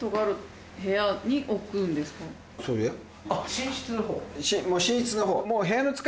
寝室の方。